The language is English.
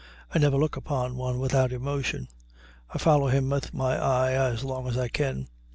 I never look upon one without emotion; I follow him with my eye as long as I can.